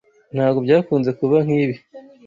Ntabwo byakunze kuba nkibi.